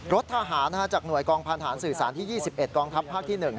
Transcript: รถทหารจากหน่วยกองพันธารสื่อสารที่๒๑กองทัพภาคที่๑